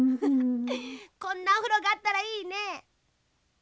こんなおふろがあったらいいね。